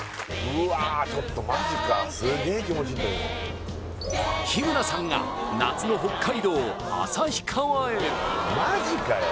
うわちょっとマジか日村さんが夏の北海道旭川へマジかよ